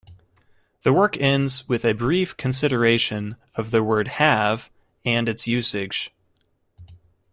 The work ends with a brief consideration of the word 'have' and its usage.